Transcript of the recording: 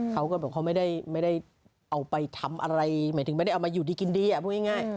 เขาก็บอกเขาไม่ได้เอาไปทำอะไรหมายถึงไม่ได้เอามาอยู่ดีกินดีพูดง่าย